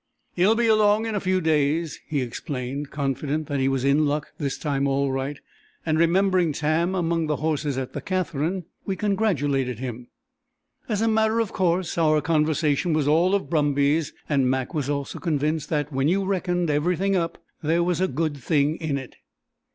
"He'll be along in a few days," he explained, confident that he was "in luck this time all right," and remembering Tam among the horses at the Katherine, we congratulated him. As a matter of course, our conversation was all of brumbies, and Mac was also convinced that "when you reckoned everything up there was a good thing in it."